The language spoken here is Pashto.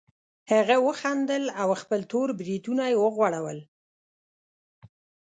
هغه وخندل او خپل تور بریتونه یې وغوړول